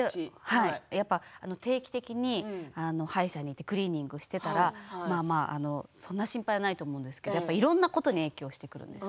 定期的に歯医者に行ってクリーニングしてそんな心配ないと思うんですけどいろんなことに影響してくるんです。